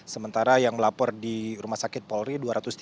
sementara yang melapor di rumah sakit polri dua ratus tiga puluh